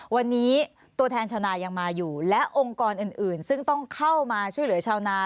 วันนี้ตัวแทนชาวนายังมาอยู่และองค์กรอื่นซึ่งต้องเข้ามาช่วยเหลือชาวนา